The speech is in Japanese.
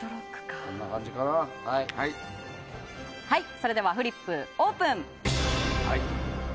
それでは、フリップオープン。